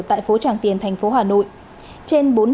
tại phòng trưng bày sản phẩm hàng thật hàng giả